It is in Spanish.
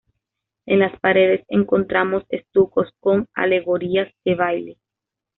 En las paredes encontramos estucos con alegorías del baile.